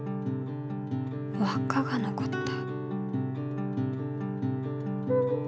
わっかが残った。